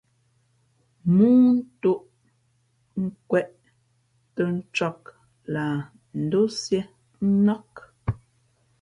̀mōō ntōʼ nkwēʼ tα ncāk lah ndósiē nák.